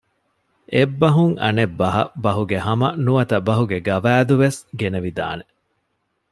އެއްބަހުން އަނެއް ބަހަށް ބަހުގެހަމަ ނުވަތަ ބަހުގެ ގަވާއިދު ވެސް ގެނެވިދާނެ